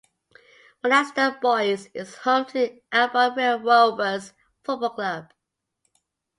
Monasterboice is home to Albion Rovers Football Club.